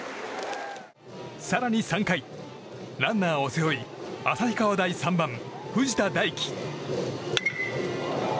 更に３回、ランナーを背負い旭川大、３番、藤田大輝。